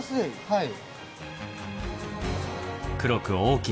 はい。